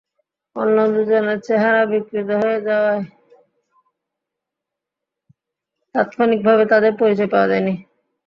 অন্য দুজনের চেহারা বিকৃত হয়ে যাওয়ায় তাৎক্ষণিকভাবে তাঁদের পরিচয় পাওয়া যায়নি।